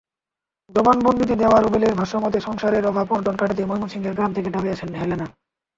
জবানবন্দিতে দেওয়া রুবেলের ভাষ্যমতে, সংসারের অভাব-অনটন কাটাতে ময়মনসিংহের গ্রাম থেকে ঢাকায় আসেন হেলেনা।